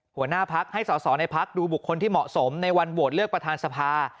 หัวหน้าพักให้สอสอในพักดูบุคคลที่เหมาะสมในวันโหวตเลือกประธานสภา